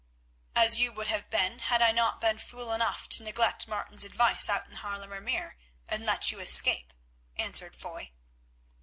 "As you would have been had I not been fool enough to neglect Martin's advice out in the Haarlemer Meer and let you escape," answered Foy.